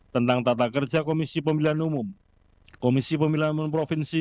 tentang tata kerja komisi pemilihan umum komisi pemilihan umum provinsi